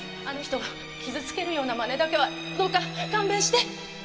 あの人を傷つけるようなまねだけはどうか勘弁して！